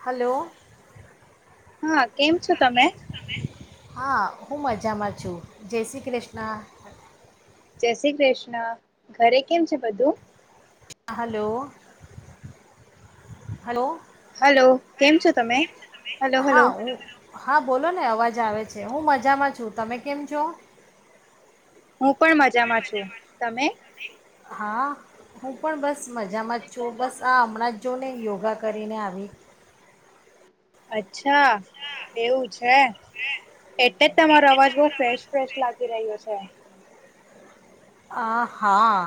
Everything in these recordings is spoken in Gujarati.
હલો હા કેમ છો તમે હા હું મજામાં છું. જય શ્રી કૃષ્ણ! જય શ્રી કૃષ્ણ, ઘરે કેમ છે બધું? હ હલો [unintelligible] હલો કેમ છો તમે હલો હલો હા હું હા બોલો ને અવાજ આવે છે હું મજામાં છું તમે કેમ છો હું પણ મજામાં છું તમે હા હું પણ બસ બ મજામાં જ છો બસ આ હમણાં જ જો ને યોગ યોગા કરીને આવી. અચ્છા એવું છે એટલે જ તમારો અવાજ બઉ ફ્રેશ ફ્રેશ લાગી રહ્યો છે. આ હા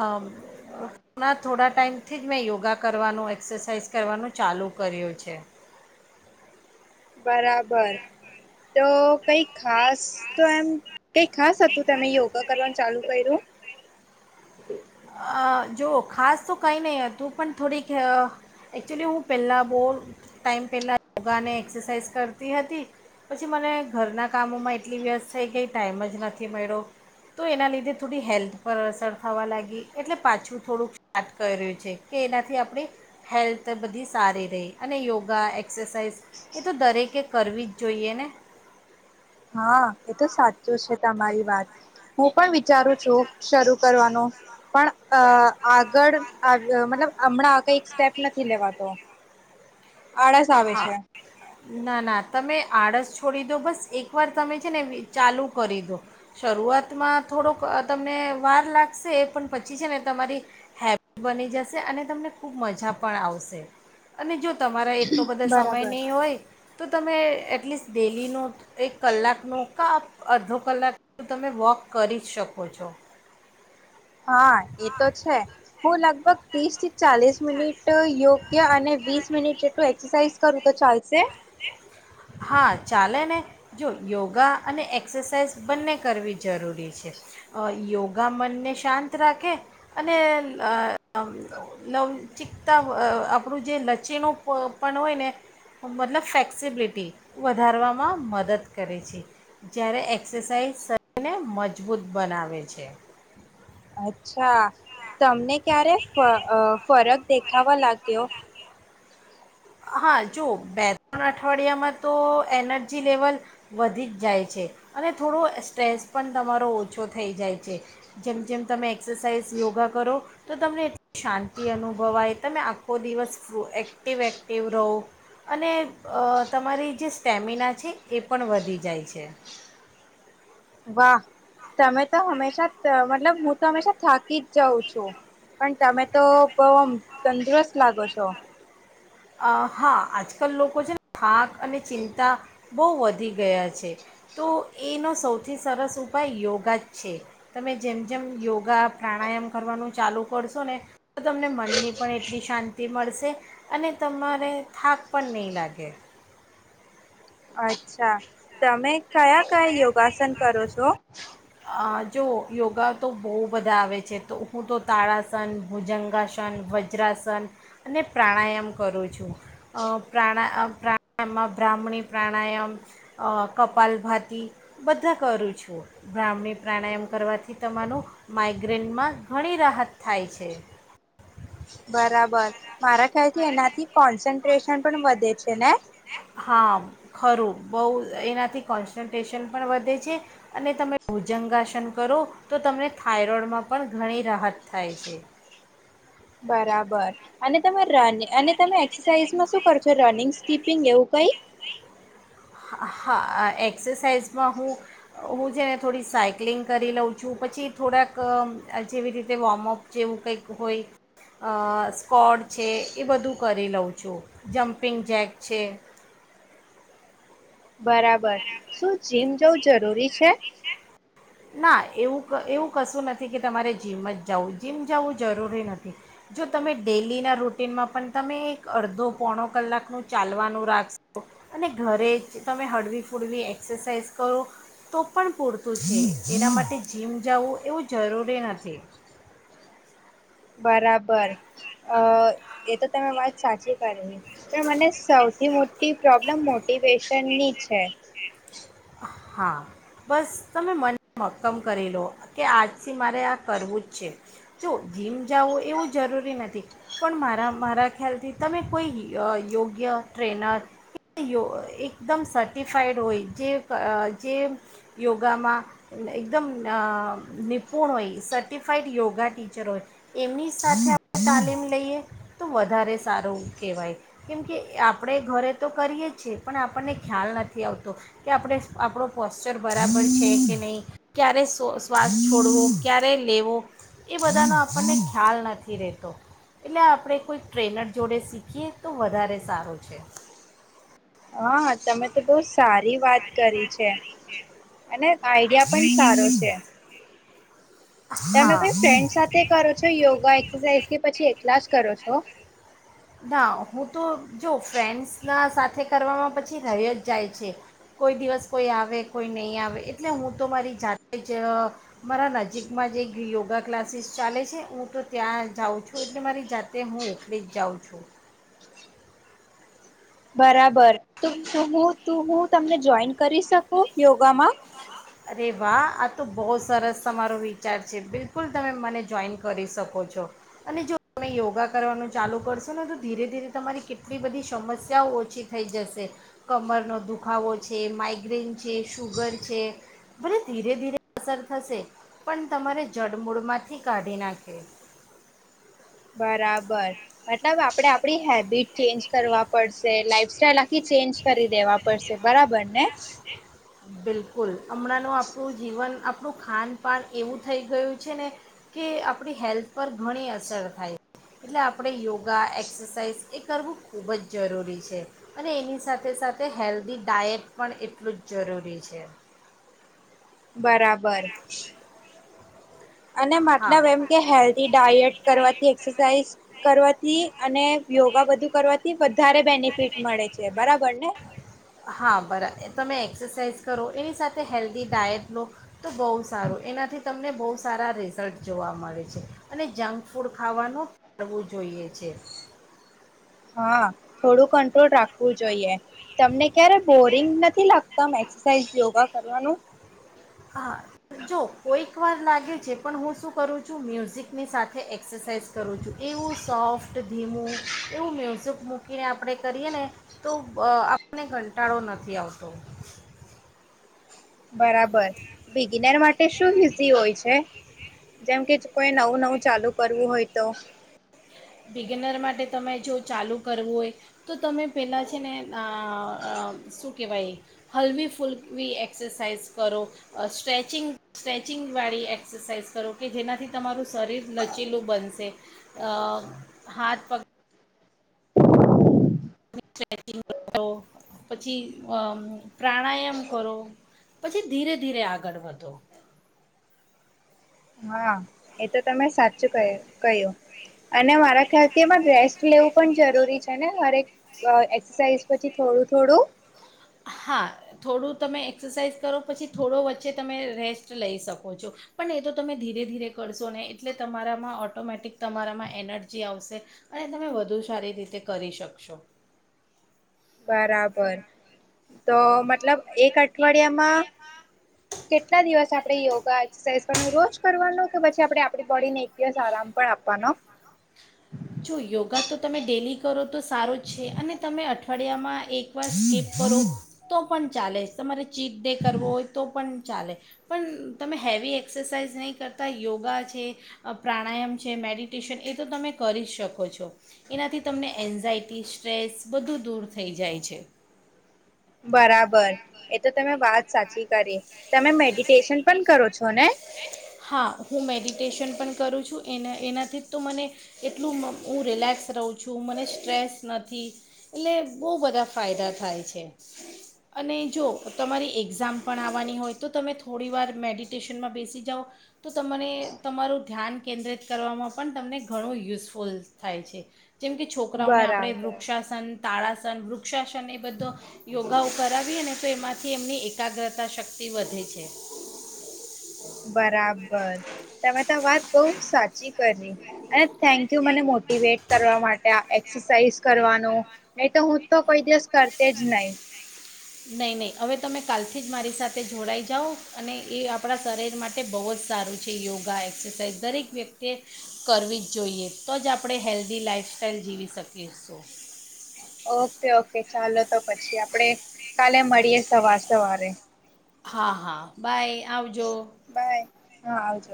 અ હમણા થોડા ટાઈમ થી જ મેં યોગા કરવાનું એક્સરસાઇઝ કરવાનું ચાલુ કર્યું છે બરાબર તો કઈ ખાસ તો એમ તે ખાસ હતું તમે યોગા કરવાનું ચાલુ કયું અ જોઓ ખાસ તો કંઈ નહીં હતું પણ થોડીક અ એકચ્યુલી હું પહેલાં બહુ ટાઈમ પહેલાં યોગાને એક્સરસાઇઝ કરતી હતી પછી મને ઘરના કામોમાં એટલી વ્યસ્ત થઈ કે ટાઈમ જ નથી મળ્યો તો એના લીધે થોડી હેલ્થ પર અસર થવા લાગી. એટલે પાછું થોડુંક સાર્ટ કર્યું છે કે એનાથી આપણી હેલ્થ બધી સારી રહી અને યોગા એક્સરસાઇઝ એ તો દરેકે કરવી જ જોઈએ ને હા એ તો સાચું છે તમારી વાત હું પણ વિચારું છું શરૂ કરવાનું પણ અ આગળ આગળ મતલબ હમણાં આ કઈક સ્ટેપ નથી લેવાતો આળસ આવે હા છે ના ના તમે આળસ છોડી દો બસ એકવાર તમે છે ને ચાલુ કરી દો શરૂઆતમાં થોડોક તમને વાર લાગશે પણ પછી છે ને તમારી હેબિટ બની જશે અને તમને ખૂબ મજા પણ આવશે અને જો તમારા એટલો બધો સમય બરાબર નહી હોય તો તમે એટલીસ્ટ ડેલીનો એક કલાકનો કાપ અડધો કલાક તમે વોક કરી જ શકો છો હા એ તો છે હું લગભગ ત્રીસ ચાલીસ મિનિટ યોગ્ય અને વીસ મિનિટ જેટલું એક્સરસાઇઝ કરું તો ચાલશે હા ચાલે ને જો યોગા અને એક્સરસાઇઝ બંને કરવી જરૂરી છે અ યોગ યોગા મનને શાંત રાખે અને [unintelligible] નવ ચિકતા અ આપણું જે લચીણો પણ હોય ને મતલબ ફ્લેક્સિબિલિટી વધારવામાં મદદ કરે છે જ્યારે એક્સરસાઇઝ શરીરને મજબૂત બનાવે છે અચ્છા તમને ક્યારે ફ અ ફરક દેખ થવા લાગ્યો હા જુઓ બે ત્રણ અઠવાડિયામાં તો એનર્જી લેવલ વધી જ જાય છે અને થોડો સ્ટ્રેસ પણ તમારો ઓછો થઈ જાય છે જેમ જેમ તમે એક્સરસાઇઝ યોગા કરો તો તમને એટલી શાંતિ અનુભવાય તમે આખો દિવસ ફ એક્ટિવ એક એવરોવ અને અ તમારી જે સ્ટેમિના છે, એ પણ વધી જાય છે. વાહ તમે તો હંમેશા ત મતલબ હું તો હંમેશા થાકી જ જાઉં છું. પણ તમે તો બોવ અમ તંદુરસ્ત લાગો છો. અ હા આજકાલ લોકો છે ને થાક અને ચિંતા બોવ વધી ગયા છે. તો એનો સૌથી સરસ ઉપાય યોગા જ છે. તમે જેમ જેમ યોગા પ્રાણાયામ કરવાનું ચાલુ કરશો ને તો તમને મનની પણ એટલી શાંતિ મળશે અને તમારે થાક પણ નય લાગે. અચ્છા, તમે કયા કયા યોગાસન કરો છો? અ જોવો યોગા તો બોવ બધા આવે છે. તો હું તો તાળાસન, ભુજંગાસન, વજ્રાસન અને પ્રાણાયામ કરું છું. અ પ્રાણા અ પ્રાણાયામમાં બ્રાહ્મણી પ્રાણાયામ, અ કપાલભાતી બધા કરું છું. બ્રાહ્મણી પ્રાણાયામ કરવાથી તમારું માઇગ્રેનમાં ઘણી રાહત થાય છે. બરાબર. મારા ખ્યાલથી એનાથી કોન્સન ટ્રેશન પણ વધે છે ને? હા, ખરું બોવ એનાથી કોન્સન્ટ્રેશન પણ વધે છે અને તમે ભુજંગાસન કરો તો તમને થાઈરોડમાં પણ ઘણી રાહત થાય છે. બરાબર અને તમે રન અને તમે એક્સરસાઇઝમાં શું કરો છો રનિંગ, સ્કીપિંગ એવું કઈ? હ હા અ એક્સરસાઇઝમાં હું હું જેને થોડી સાયક્લિંગ કરી લઉં છું. પછી થોડાક અં અ જેવી રીતે વોમઅપ જેવું કંઈક હોય. અ સ્ક્વૉડ છે એ બધું કરી લઉં છું. જમ્પિંગ જેક છે. બરાબર, શું જીમ જવું જરૂરી છે? ના, એવું ક એવું કશું નથી કે તમારે જીમ જ જાવું. જીમ જવું જરૂરી નથી. જો તમે ડેલીના રૂટીનમાં પણ તમે એક અડધો પોણો કલાકનું ચાલવાનું રાખશો અને ઘરે જ તમે હળવી ફૂળવી એક્સરસાઇઝ કરો, તો પણ પૂરતું છે. એના માટે જીમ જવું એવું જરૂરી નથી. બરાબર, અ એ તો તમે વાત સાચી કરી. પણ મને સૌથી મો ટી પ્રોબ્લમ મોટિવેશનની છે. હા, બસ તમે મન મક્કમ કરી લો કે આજથી મારે આ કરવું જ છે. જોવો જીમ જાવું એવું જરૂરી નથી પણ મારા મારા ખ્યાલથી તમે કોઈ અ યોગ્ય ટ્રેનર કે યો અ એકદમ સર્ટિફાઈડ હોય. જે અ જે યોગામાં એ એકદમ અ નિપુણ હોય, સર્ટિફાઈડ યોગા ટીચર હોય. એમની સાથે આપણે તાલીમ લઈએ તો વધારે સારું કેવાય. કેમકે, આપણે ઘરે તો કરીએ છીએ. પણ આપણને ખ્યાલ નથી આવતો. કે આપણે આપળો પોશચર બરાબર છે કે નહીં. ક્યારે સો શ્વાસ છોડવો, ક્યારે લેવો એ બધાનો આપણને ખ્યાલ નથી રેતો. એટલે આપણે કોઈ ટ્રેનર જોડે શીખીએ તો વધારે સારું છે. હા, તમે તો બોવ સારી વાત કરી છે. અને આઈડિયા પણ સારો છે. તમે હા કોઈ ફ્રેન્ડ સાથે કરો છો યોગા, એક્સરસાઇઝ કે પછી એ કલા જ કરો છો? ના, હું તો જો ફ્રેન્ડસના સા થે કરવામાં પછી રય જ જાય છે. કોઈ દિવસ કોઈ આવે કોઈ નય આવે. એટલે હું તો મારી જાતે જ મારા નજીકમાં જે એક યોગા ક્લાસીસ ચાલે છે. હું તો ત્યાં જાઉં છું. એટલે મારી જાતે હું એકલી જ જાઉં છું. બરાબર, તુ તુ હું તુ હૂં તમને જોઈન કરી શકું યોગામાં? અરે વાહ આ તો બોવ સરસ તમારો વિચાર છે. બિલકુલ તમે મને જોઈન કરી શકો છો અને જો તમે યોગા કરવાનું ચાલુ કરશો ને તો ધીરે ધીરે તમારી કેટલી બધી સમસ્યાઓ ઓછી થઈ જશે. કમરનો દુખાવો છે, માઇગ્રેન છે, શુગર છે. ભલે ધીરે ધીરે અસર થશે. પણ તમારે જડમૂળમાંથી કાઢી નાખે. બરાબર, મતલબ આપડે આપડી હેબિટ ચેન્જ કરવા પડશે. લાઈફસ્ટાઈલ આખી ચેન્જ કરી દેવા પડશે. બરાબર ને? બિલકુલ. હમણાનું આપણું જીવન આપ ણું ખાનપાન એવું થઈ ગયું છે ને કે આપણી હેલ્થ પર ઘણી અસર થાય. એટલે આપણે યોગ ગ એક્સસઇઝ એ કરવું ખૂબ જ જરૂરી છે અને એની સાથે સાથે હેલ્ધી ડાયટ પણ એટલું જ જરૂરી છે બરાબર અને હા મતલબ એમ કે હેલ્ધ ડાયટ કરવાથી એક્સરસાઇઝ કરવા થી અને યોગા બધું કરવાથી વધારે બેનિફિટ મળે છે બરાબર ને હા બરાબર તમે એક્સરસાાઈઝ કરો એની સાથે હેલ્ધી ડાયટ લો તો બહુ સારું એનાથી તમને બહુ સારા રિઝલ્ટ જોવા મળે છે અને જંક ફૂડ ખાવાનું કરવું જોઈએ છે. હા થોડું કંટ્રોલ રાખવું જોઈએ તમને ક્યારે બોરિંગ નથી લાગતા એક્રસાઇઝ યોગા કરવાનું. હા જો કોઈક વાર લાગે છે પણ હું શું કરું છું મ્યુઝિકની સાથે એક્સરસાઇઝ કરું છું એવું સોફ્ટ ધીમું એવું મ્યુઝિક હું કીને આપણે કરીએ ને તો આપણને કંટાળો નથી આવતો. બરાબર બિગિનર માટે શું ઇઝી હોય છે. જેમ કે કોઈ નવું નવું ચાલુ કરવું હોય તો. બિગેનર માટે તમે જો ચાલુ કરવું હોય તો તમે પહેલાં છે આ અ ને શું કહેવાય હળવી ફૂલવી એક્સરસાઇઝ કરો સ્ટ્રેચિંગ સ્ટ્રેચિંગવાળી એક્સરસાઇઝ કરો કે જેનાથી તમારું શરીર લચીલું બનશે અ હાથ પગ સ્ટ્રેચિંગ કરો પછી અ પ્રાણાયામ કરો પછી ધીરે ધીરે આગળ વધો. હા એ તો તમે સાચું કહ્યું. અને મારા ખાતે પણ રેસ્ટ લેવું પણ જરૂરી છે ને હરેક એસરસાઇઝ પછી થોડું થોડું. હા થોડું તમે એક્સરસાઇઝ કરો પછી થોડો વચ્ચે તમે રેસ્ટ લઈ શકો છો પણ એ તો તમે ધીરે ધીરે કરશો ને એટલે તમારામાં ઓટોમેટિક તમારામાં એનર્જી આવશે અને તમે વધુ સારી રીતે કરી શકશો. બરાબર તો મત લબ એક અઠવાડિયામાં કેટલા દિવસ આપડે યોગા એક્સરસાઇઝ કરવા રોજ કરવાનો. તો પછી આપે આપડી બોડીને એક દિવસ આરામ પણ આપવાનો. જો યોગા તો તમે ડેલી કરો તો સારો જ છે અને તમે અઠવાડિયામાં એકવાર સ્કીપ કરો તો પણ ચાલે તમારે ચિત ડે કરવો હોય તો પણ ચાલે પણ તમે હેવી એક્સરસાઇઝ નહીં કરતા યોગા છે પ્રાણાયામ છે મેડિટેશન એ તો તમે કરી શકો છો એનાથી તમને એન્ઝાયટી સ્ટ્રેસ બધું દૂર થઈ જાય છે. બરાબર એ તો તમે વાત સાચી કરી તમે મેડિટેશન પણ કરો છો ને. હા હું મેડિટેશન પણ કરું છું એના એનાથી તો મને એટલું હું રિલેક્સ રહું છું મને સ્ટ્રેસ નથી એટલે બહુ બધા ફાયદા થાય છે અને જો તમારી એક્ઝામ પણ આવવાની હોય તો તમે થોડી વાર મેડિટેશનમાં બેસી જાઓ તો તમને તમારું ધ્યાન કેન્દ્રિત કરવામાં પણ તમને ઘણું યુઝફુલ થાય છે. જેમ કે છોકરાઓને આપણે બરાબર વૃક્ષાસન તાળાસન વૃક્ષાસન એ બધો યોગાઓ કરાવીએને તો એમાંથી એમની એકાગ્રતા શક્તિ વધે છે. બરાબ બર તમે તો વાત બઉ સાચ ચી કરી અને થેન્કયુ મને મોટીવેટ કરવા માટે આ એક એક્સરસાઇઝ કરવાનો નહી તો હું તો કોઈ દિવસ કરતી જ નઇ. નહીં નહીં હવે તમે કાલથી જ મારી સાથે જોડાઈ જાઓ અને એ આપણા શરીર માટે બહુ જ સારું છે યોગા એક્સરસાઇઝ દરેક વ્યક્તિએ કરવી જ જોઈએ તો જ આપણે હેલ્ધી લાઈઇફસ્ટાાઈલ જીવી શકીશું. ઓકે ઓકે ચાલો તો પછી આપડે કાલે મળીએ સવાર સવારે. હા હા બાય. આવજો. બાય હા આવજ